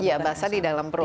iya bahasa di dalam perut